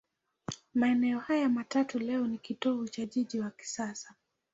Maeneo hayo matatu leo ni kitovu cha mji wa kisasa.